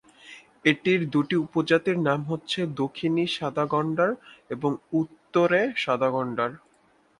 এটির দুটি উপপ্রজাতির নাম হচ্ছে দক্ষিণী সাদা গণ্ডার এবং উত্তুরে সাদা গণ্ডার।